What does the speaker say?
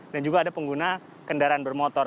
dan juga ada pengguna kendaraan bermotor